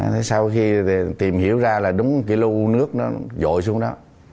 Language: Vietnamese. thế sau khi tìm hiểu ra là đúng cái lưu nước nó dội xuống đó